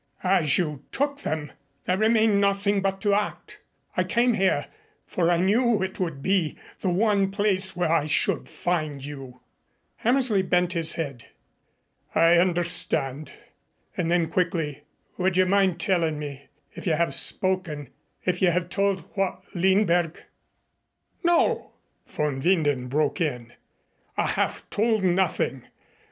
As you took them, there remained nothing but to act. I came here, for I knew it would be the one place where I should find you." Hammersley bent his head. "I understand." And then quickly, "Would you mind telling me if you have spoken if you have told what Lindberg ?" "No," von Winden broke in, "I have told nothing.